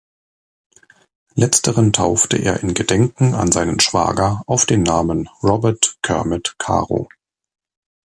Letzteren taufte er im Gedenken an seinen Schwager auf den Namen Robert Kermit Carow.